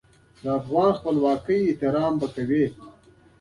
د افغانستان خپلواکۍ احترام به کوي.